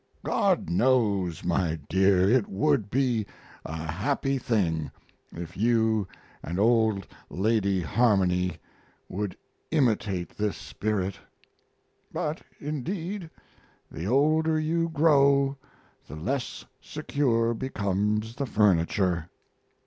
God knows, my dear, it would be a happy thing if you and old Lady Harmony would imitate this spirit. But indeed the older you grow the less secure becomes the furniture.